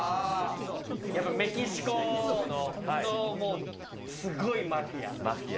やっぱメキシコのすごいマフィア。